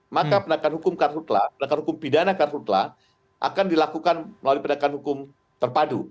maka penegakan hukum kartu telah pendekatan hukum pidana kartu telah akan dilakukan melalui pendekatan hukum terpadu